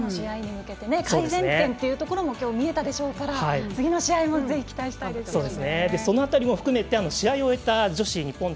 次の試合に向けて改善点というところもきょう見えたでしょうから次の試合も期待したいです。